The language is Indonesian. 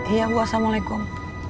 iya bu assalamualaikum